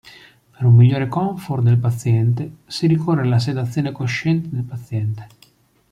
Per un migliore comfort del paziente si ricorre alla sedazione cosciente del paziente.